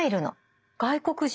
外国人？